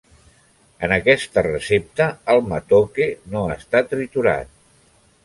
En aquesta recepta, el "matoke" no està triturat.